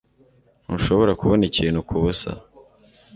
Ntushobora kubona ikintu kubusa.